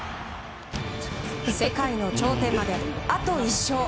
世界の頂点まであと１勝。